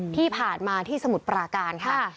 ที่ผ่านมาที่สมุทรปราการค่ะ